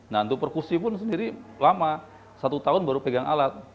nah untuk perkusi pun sendiri lama satu tahun baru pegang alat